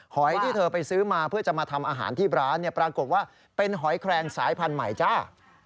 หอยที่เธอไปซื้อมาเพื่อจะมาทำอาหารที่ร้านปรากฏว่าเป็นหอยแครงสายพันธุ์ใหม่จ้า